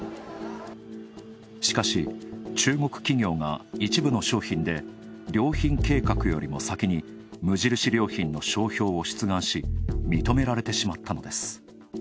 しかし、中国企業が一部の商品で良品計画よりも先に、無印良品の商標を出願し認められてしまったのです。